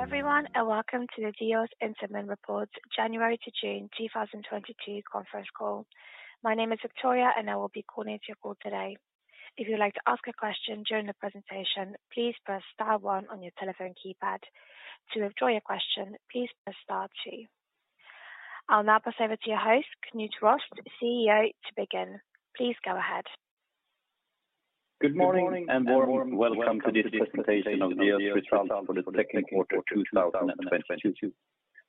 Hello everyone, and welcome to the Diös Interim Reports January to June 2022 conference call. My name is Victoria, and I will be coordinating your call today. If you would like to ask a question during the presentation, please press star one on your telephone keypad. To withdraw your question, please press star two. I'll now pass over to your host, Knut Rost, CEO, to begin. Please go ahead. Good morning, and warm welcome to this presentation of Diös results for the second quarter 2022.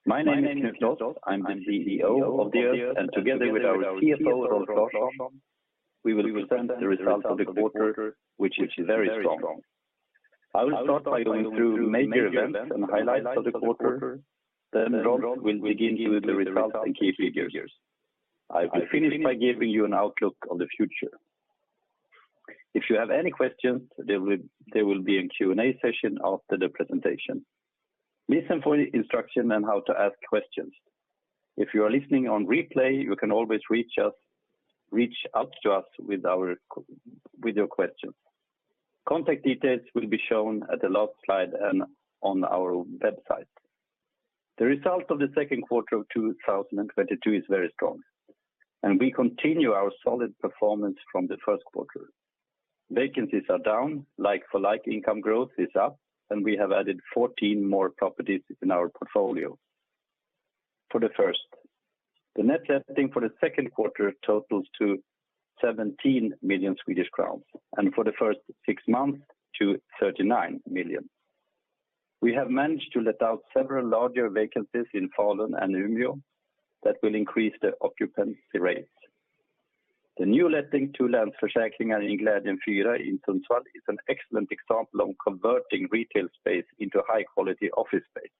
My name is Knut Rost. I'm the CEO of Diös, and together with our CFO, Rolf Larsson, we will present the results of the quarter which is very strong. I will start by going through major events and highlights of the quarter, then Rolf will dig into the results and key figures. I will finish by giving you an outlook of the future. If you have any questions, there will be a Q&A session after the presentation. Listen for the instruction on how to ask questions. If you are listening on replay, you can always reach out to us with your questions. Contact details will be shown at the last slide and on our website. The results of the second quarter of 2022 is very strong, and we continue our solid performance from the first quarter. Vacancies are down, like-for-like income growth is up, and we have added 14 more properties in our portfolio. The net letting for the second quarter totals to 17 million Swedish crowns, and for the first six months to 39 million. We have managed to let out several larger vacancies in Falun and Umeå that will increase the occupancy rates. The new letting to Länsförsäkringar in Glädjen Fyra in Sundsvall is an excellent example of converting retail space into high-quality office space.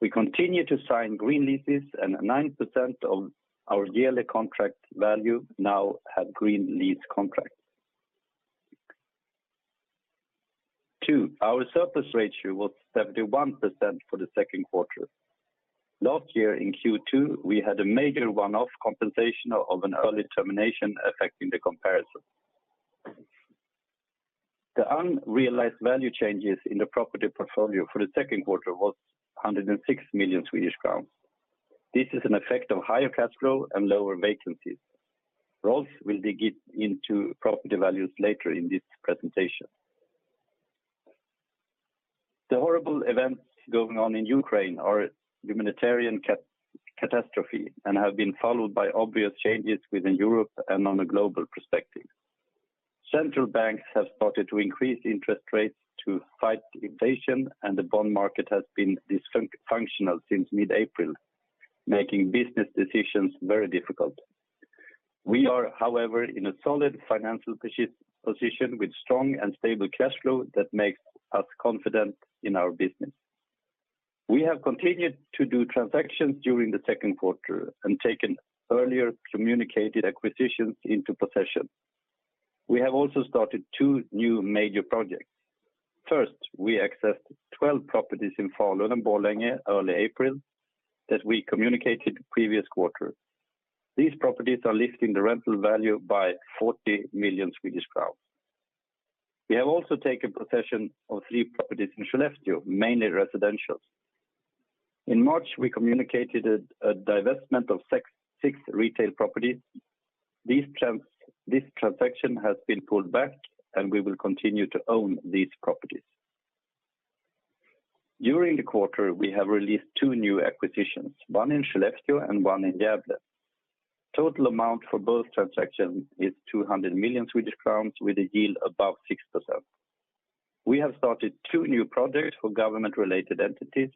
We continue to sign green leases, and 9% of our yearly contract value now have green lease contracts. Two, our surplus ratio was 71% for the second quarter. Last year in Q2, we had a major one-off compensation of an early termination affecting the comparison. The unrealized value changes in the property portfolio for the second quarter was 106 million Swedish crowns. This is an effect of higher cash flow and lower vacancies. Rolf will dig into property values later in this presentation. The horrible events going on in Ukraine are a humanitarian catastrophe and have been followed by obvious changes within Europe and on a global perspective. Central banks have started to increase interest rates to fight inflation, and the bond market has been dysfunctional since mid-April, making business decisions very difficult. We are, however, in a solid financial position with strong and stable cash flow that makes us confident in our business. We have continued to do transactions during the second quarter and taken earlier communicated acquisitions into possession. We have also started 2 new major projects. First, we acquired 12 properties in Falun and Borlänge in early April that we communicated in the previous quarter. These properties are lifting the rental value by 40 million Swedish crowns. We have also taken possession of 3 properties in Skellefteå, mainly residential. In March, we communicated a divestment of 6 retail properties. This transaction has been pulled back, and we will continue to own these properties. During the quarter, we have announced 2 new acquisitions, one in Skellefteå and one in Gävle. Total amount for both transactions is 200 million Swedish crowns with a yield above 6%. We have started 2 new projects for government-related entities,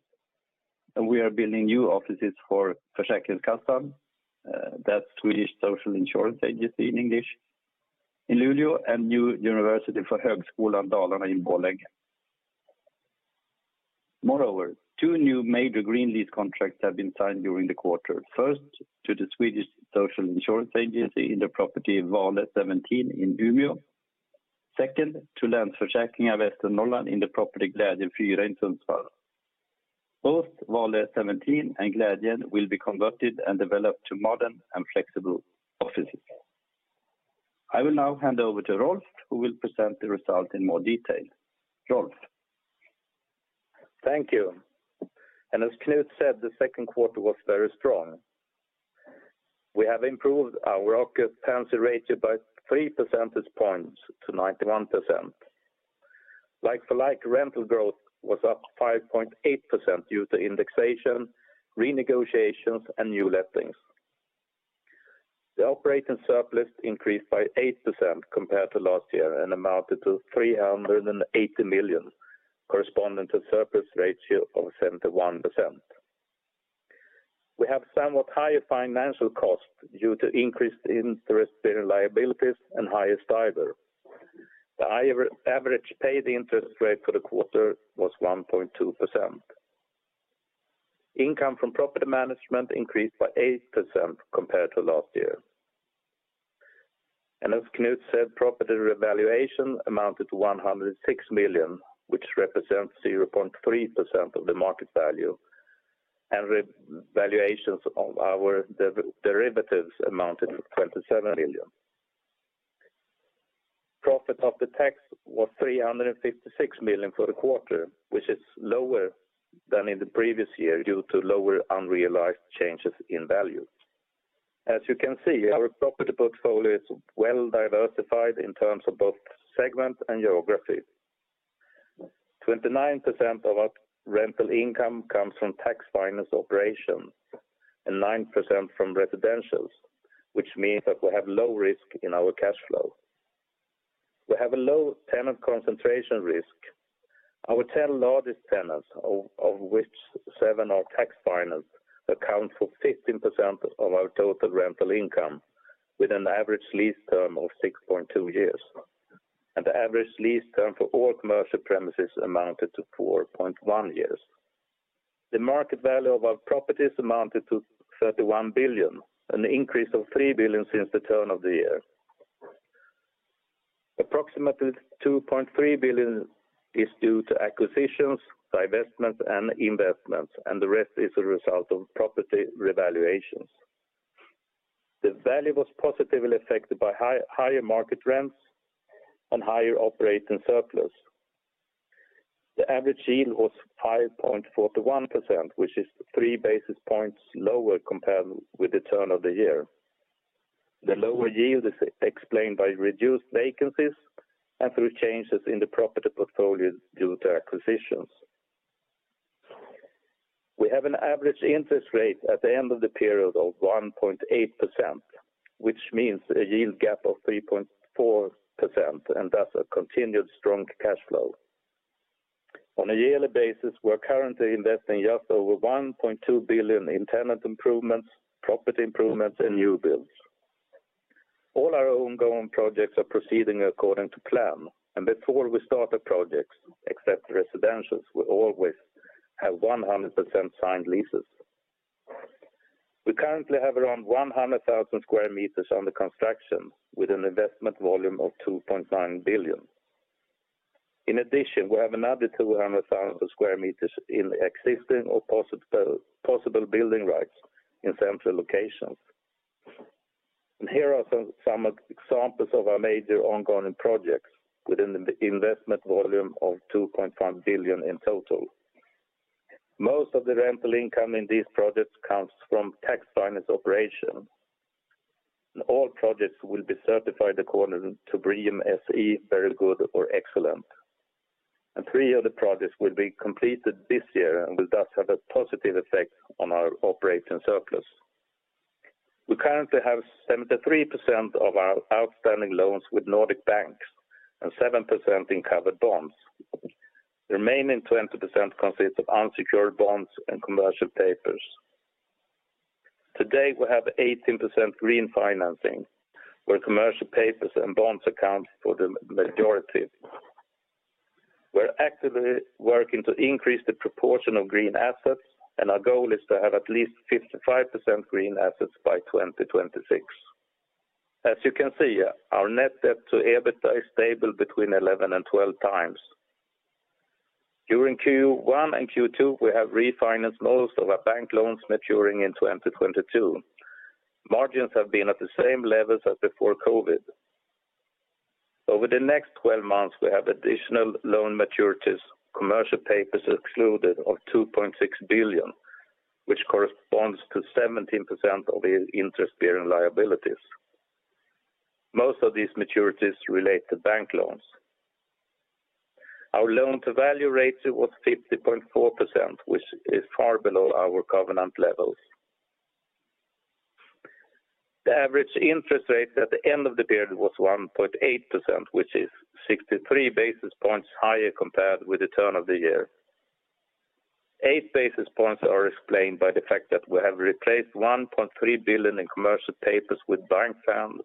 and we are building new offices for Försäkringskassan, that's Swedish Social Insurance Agency in English, in Luleå and new university for Högskolan Dalarna in Borlänge. Moreover, two new major green lease contracts have been signed during the quarter. First, to the Swedish Social Insurance Agency in the property Välle 17 in Umeå. Second, to Länsförsäkringar Västernorrland in the property Glädjen Fyra in Sundsvall. Both Välle 17 and Glädjen will be converted and developed to modern and flexible offices. I will now hand over to Rolf, who will present the results in more detail. Rolf. Thank you. As Knut said, the second quarter was very strong. We have improved our occupancy ratio by 3 percentage points to 91%. Like-for-like rental growth was up 5.8% due to indexation, renegotiations, and new lettings. The operating surplus increased by 8% compared to last year and amounted to 380 million, corresponding to surplus ratio of 71%. We have somewhat higher financial costs due to increased interest-bearing liabilities and higher Stibor. The high average paid interest rate for the quarter was 1.2%. Income from property management increased by 8% compared to last year. As Knut said, property revaluation amounted to 106 million, which represents 0.3% of the market value, and revaluations of our derivatives amounted to 27 million. Profit after tax was 356 million for the quarter, which is lower than in the previous year due to lower unrealized changes in value. As you can see, our property portfolio is well-diversified in terms of both segment and geography. 29% of our rental income comes from tax finance operations and 9% from residential, which means that we have low risk in our cash flow. We have a low tenant concentration risk. Our 10 largest tenants, of which seven are tax finance, account for 15% of our total rental income with an average lease term of 6.2 years. The average lease term for all commercial premises amounted to 4.1 years. The market value of our properties amounted to 31 billion, an increase of 3 billion since the turn of the year. Approximately 2.3 billion is due to acquisitions, divestments, and investments, and the rest is a result of property revaluations. The value was positively affected by higher market rents and higher operating surplus. The average yield was 5.41%, which is 3 basis points lower compared with the turn of the year. The lower yield is explained by reduced vacancies and through changes in the property portfolio due to acquisitions. We have an average interest rate at the end of the period of 1.8%, which means a yield gap of 3.4% and thus a continued strong cash flow. On a yearly basis, we're currently investing just over 1.2 billion in tenant improvements, property improvements, and new builds. All our ongoing projects are proceeding according to plan, and before we start the projects, except residentials, we always have 100% signed leases. We currently have around 100,000 square meters under construction with an investment volume of 2.9 billion. In addition, we have another 200,000 square meters in existing or possible building rights in central locations. Here are some examples of our major ongoing projects within the investment volume of 2.5 billion in total. Most of the rental income in these projects comes from tax-financed operation. All projects will be certified according to BREEAM SE Very Good or Excellent. Three of the projects will be completed this year and will thus have a positive effect on our operating surplus. We currently have 73% of our outstanding loans with Nordic banks and 7% in covered bonds. The remaining 20% consists of unsecured bonds and commercial papers. Today, we have 18% green financing, where commercial papers and bonds account for the majority. We're actively working to increase the proportion of green assets, and our goal is to have at least 55% green assets by 2026. As you can see, our net debt to EBITDA is stable between 11-12 times. During Q1 and Q2, we have refinanced most of our bank loans maturing in 2022. Margins have been at the same levels as before COVID. Over the next 12 months, we have additional loan maturities, commercial papers excluded, of 2.6 billion, which corresponds to 17% of the interest-bearing liabilities. Most of these maturities relate to bank loans. Our loan-to-value ratio was 50.4%, which is far below our covenant levels. The average interest rate at the end of the period was 1.8%, which is 63 basis points higher compared with the turn of the year. Eight basis points are explained by the fact that we have replaced 1.3 billion in commercial papers with bank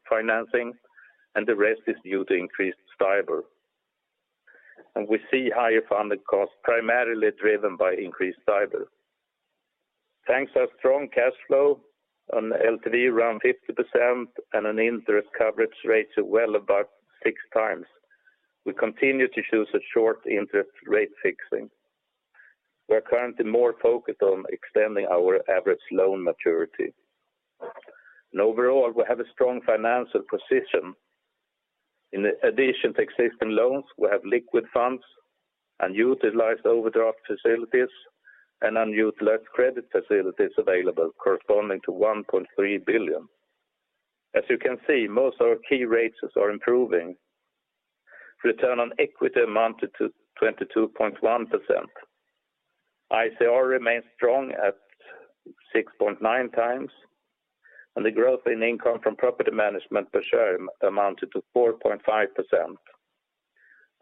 financing, and the rest is due to increased Stibor. We see higher funding costs primarily driven by increased Stibor. Thanks to our strong cash flow on LTV around 50% and an interest coverage ratio well above 6 times, we continue to choose a short interest rate fixing. We are currently more focused on extending our average loan maturity. Overall, we have a strong financial position. In addition to existing loans, we have liquid funds, unutilized overdraft facilities, and unutilized credit facilities available corresponding to 1.3 billion. As you can see, most of our key ratios are improving. Return on equity amounted to 22.1%. ICR remains strong at 6.9 times. The growth in income from property management per share amounted to 4.5%.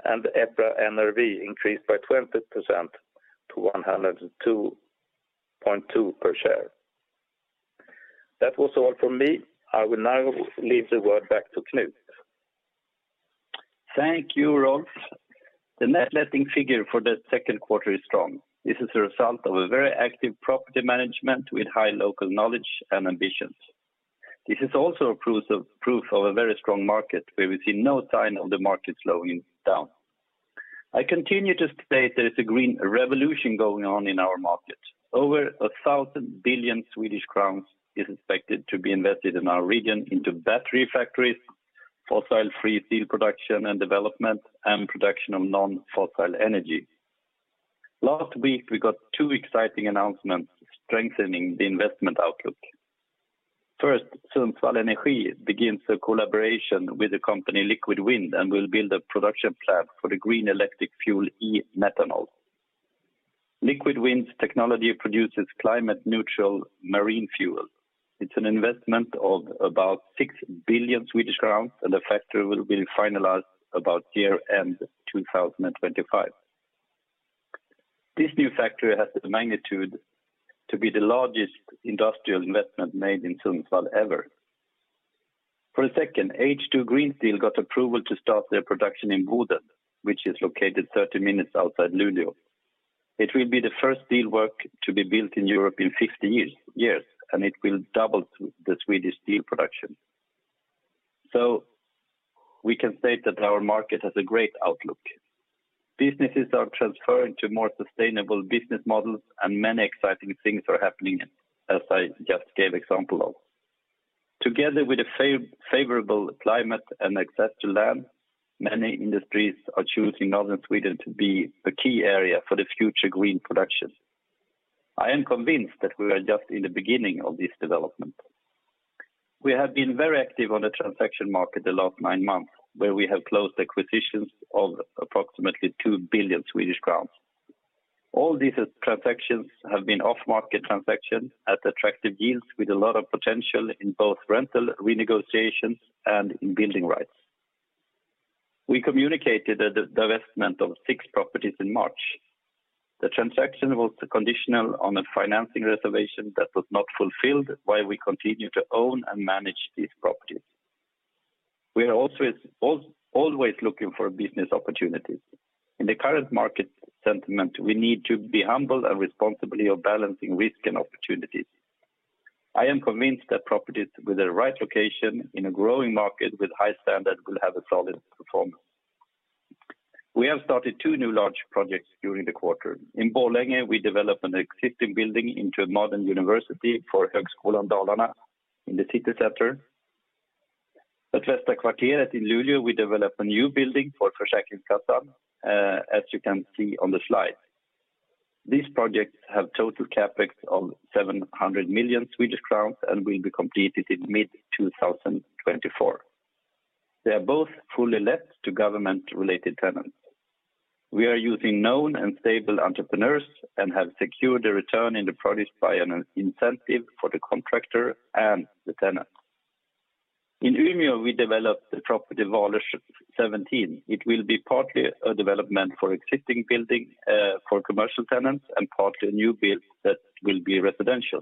The EPRA NRV increased by 20% to 102.2 per share. That was all from me. I will now leave the word back to Knut. Thank you, Rolf. The net letting figure for the second quarter is strong. This is a result of a very active property management with high local knowledge and ambitions. This is also a proof of a very strong market where we see no sign of the market slowing down. I continue to state there is a green revolution going on in our market. Over 1,000 billion Swedish crowns is expected to be invested in our region into battery factories, fossil-free steel production and development, and production of non-fossil energy. Last week, we got two exciting announcements strengthening the investment outlook. First, Sundsvall Energi begins a collaboration with the company Liquid Wind, and will build a production plant for the green electric fuel e-methanol. Liquid Wind's technology produces climate-neutral marine fuel. It's an investment of about 6 billion Swedish crowns, and the factory will be finalized about year-end 2025. This new factory has the magnitude to be the largest industrial investment made in Sundsvall ever. Secondly, H2 Green Steel got approval to start their production in Boden, which is located 30 minutes outside Luleå. It will be the first steelwork to be built in Europe in 50 years, and it will double the Swedish steel production. We can state that our market has a great outlook. Businesses are transferring to more sustainable business models, and many exciting things are happening, as I just gave example of. Together with the favorable climate and access to land, many industries are choosing Northern Sweden to be the key area for the future green production. I am convinced that we are just in the beginning of this development. We have been very active on the transaction market the last nine months, where we have closed acquisitions of approximately 2 billion Swedish crowns. All these transactions have been off-market transactions at attractive yields with a lot of potential in both rental renegotiations and in building rights. We communicated the divestment of six properties in March. The transaction was conditional on a financing reservation that was not fulfilled, why we continue to own and manage these properties. We are also always looking for business opportunities. In the current market sentiment, we need to be humble and responsible of balancing risk and opportunities. I am convinced that properties with the right location in a growing market with high standard will have a solid performance. We have started two new large projects during the quarter. In Borlänge, we developed an existing building into a modern university for Högskolan Dalarna in the city center. At Västra Kvarteret in Luleå, we developed a new building for Försäkringskassan, as you can see on the slide. These projects have total CapEx of 700 million Swedish crowns and will be completed in mid-2024. They are both fully let to government-related tenants. We are using known and stable entrepreneurs and have secured a return in the projects by an incentive for the contractor and the tenant. In Umeå, we developed the property Välle 17. It will be partly a development for existing building, for commercial tenants and partly a new build that will be residential.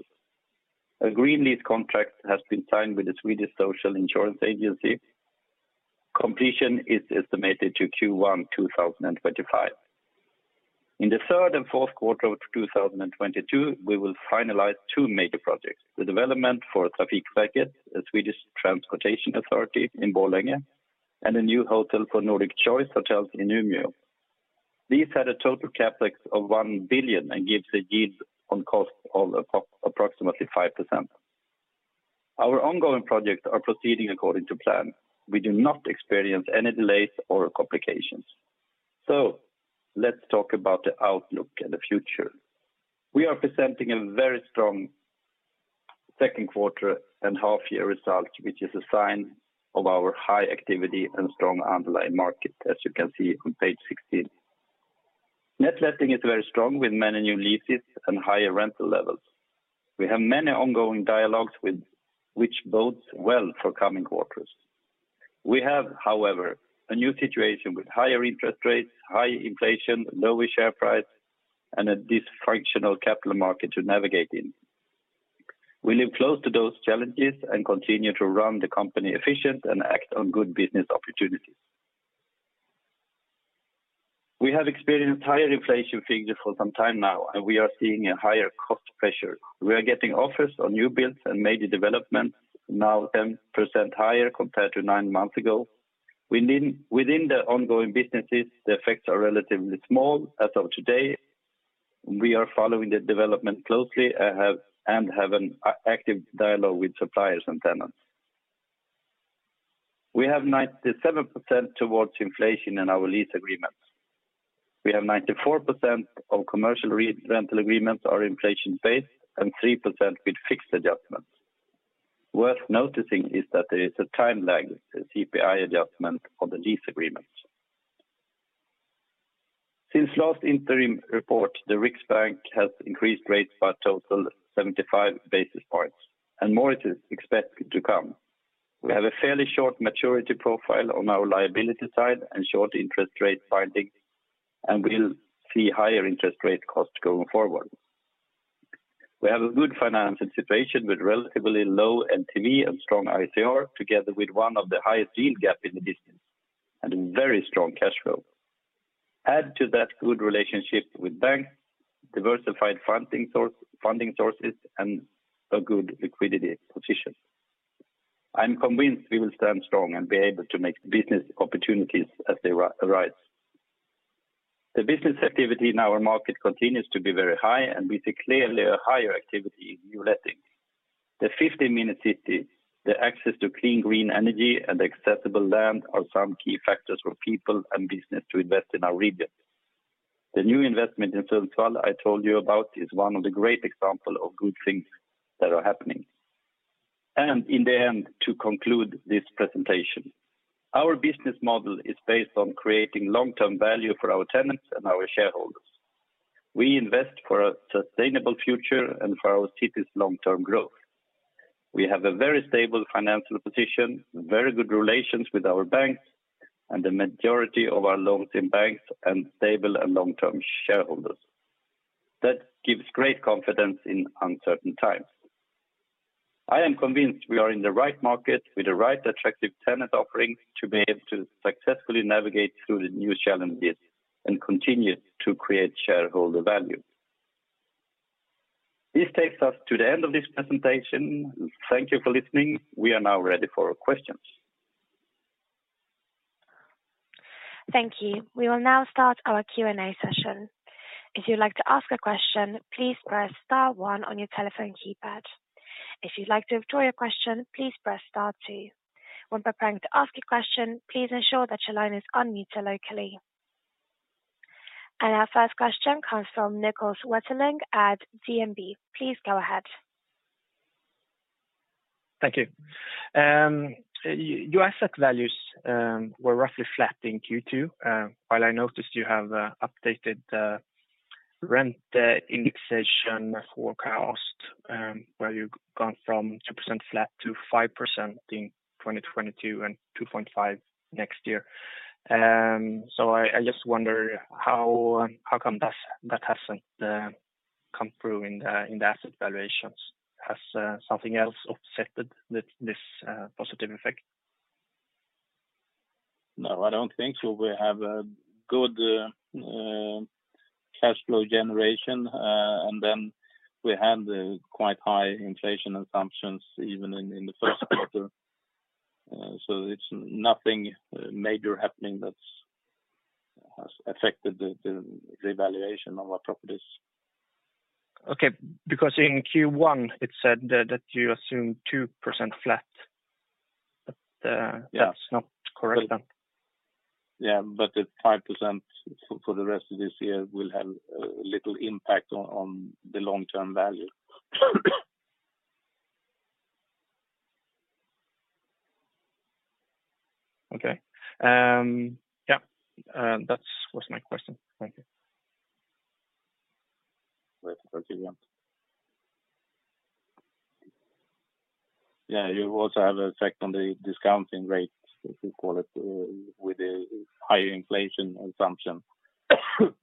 A green lease contract has been signed with the Swedish Social Insurance Agency. Completion is estimated to Q1 2025. In the third and fourth quarter of 2022, we will finalize two major projects, the development for Trafikverket, the Swedish Transport Administration in Borlänge, and a new hotel for Nordic Choice Hotels in Umeå. These had a total CapEx of 1 billion and gives a yield on cost of approximately 5%. Our ongoing projects are proceeding according to plan. We do not experience any delays or complications. Let's talk about the outlook and the future. We are presenting a very strong second quarter and half-year result, which is a sign of our high activity and strong underlying market, as you can see on page 16. Net letting is very strong with many new leases and higher rental levels. We have many ongoing dialogues, which bodes well for coming quarters. We have, however, a new situation with higher interest rates, high inflation, lower share price, and a dysfunctional capital market to navigate in. We live close to those challenges and continue to run the company efficient and act on good business opportunities. We have experienced higher inflation figures for some time now, and we are seeing a higher cost pressure. We are getting offers on new builds and major developments now 10% higher compared to 9 months ago. Within the ongoing businesses, the effects are relatively small as of today. We are following the development closely and have an active dialogue with suppliers and tenants. We have 97% towards inflation in our lease agreements. We have 94% of commercial rental agreements are inflation-based and 3% with fixed adjustments. Worth noticing is that there is a time lag, the CPI adjustment on the lease agreements. Since last interim report, the Riksbank has increased rates by a total 75 basis points, and more is expected to come. We have a fairly short maturity profile on our liability side and short interest rate findings, and we'll see higher interest rate costs going forward. We have a good financing situation with relatively low LTV and strong ICR, together with one of the highest yield gap in the business and a very strong cash flow. Add to that good relationship with banks, diversified funding sources, and a good liquidity position. I'm convinced we will stand strong and be able to make business opportunities as they arise. The business activity in our market continues to be very high, and we see clearly a higher activity in new lettings. The 50-minute city, the access to clean green energy, and accessible land are some key factors for people and business to invest in our region. The new investment in Sundsvall I told you about is one of the great example of good things that are happening. In the end, to conclude this presentation, our business model is based on creating long-term value for our tenants and our shareholders. We invest for a sustainable future and for our city's long-term growth. We have a very stable financial position, very good relations with our banks, and the majority of our loans in banks and stable and long-term shareholders. That gives great confidence in uncertain times. I am convinced we are in the right market with the right attractive tenant offerings to be able to successfully navigate through the new challenges and continue to create shareholder value. This takes us to the end of this presentation. Thank you for listening. We are now ready for questions. Thank you. We will now start our Q&A session. If you'd like to ask a question, please press star one on your telephone keypad. If you'd like to withdraw your question, please press star two. When preparing to ask a question, please ensure that your line is unmuted locally. Our first question comes from Niklas Wetterling at DNB. Please go ahead. Thank you. Your asset values were roughly flat in Q2. While I noticed you have updated the rent indexation forecast, where you've gone from 2% flat to 5% in 2022 and 2.5 next year. I just wonder how come that hasn't come through in the asset valuations. Has something else offset this positive effect? No, I don't think so. We have a good cash flow generation, and then we had the quite high inflation assumptions even in the first quarter. It's nothing major happening that's has affected the valuation of our properties. Okay. Because in Q1 it said that you assumed 2% flat. Yeah. That's not correct then. Yeah. The 5% for the rest of this year will have little impact on the long-term value. Okay. Yeah. That was my question. Thank you. Thank you. Yeah, you also have an effect on the discount rate, if you call it, with the higher inflation assumption.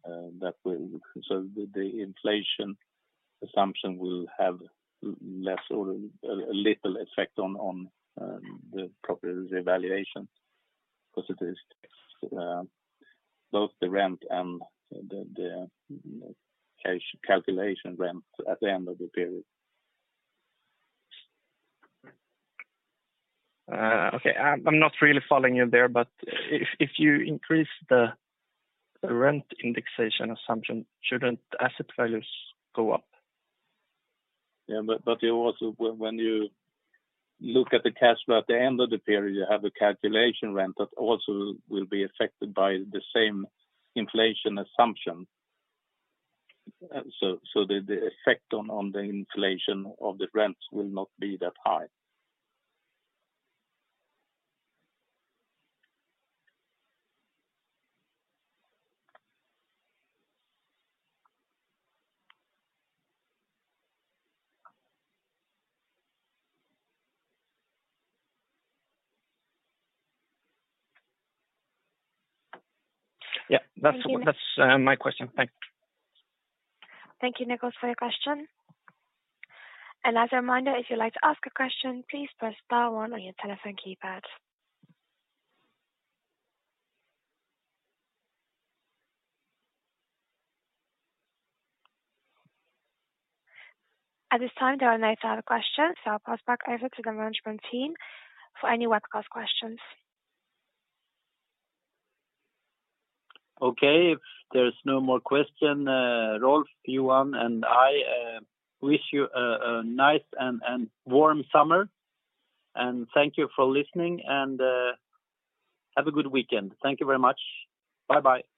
The inflation assumption will have less or a little effect on the property's valuation because it is both the rent and the cash calculation rent at the end of the period. Okay. I'm not really following you there, but if you increase the rent indexation assumption, shouldn't asset values go up? It also. When you look at the cash flow at the end of the period, you have a calculation rent that also will be affected by the same inflation assumption. The effect on the inflation of the rents will not be that high. Yeah. Thank you. That's my question. Thanks. Thank you, Niklas, for your question. As a reminder, if you'd like to ask a question, please press star one on your telephone keypad. At this time, there are no further questions, so I'll pass back over to the management team for any webcast questions. Okay. If there's no more question, Rolf, Johan, and I wish you a nice and warm summer, and thank you for listening, and have a good weekend. Thank you very much. Bye-bye.